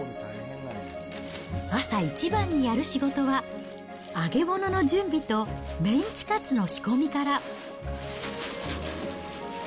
朝一番にやる仕事は、揚げ物の準備とメンチカツの仕込みから。